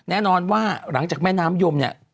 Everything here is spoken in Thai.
แน่นอนว่าหลังจากแม่น้ำยมเนี่ย